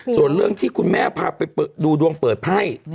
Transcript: ส่วนเรื่องที่คุณแม่พาไปดูดวงเปิดไพ่